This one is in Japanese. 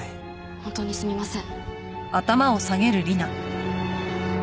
本当にすみません。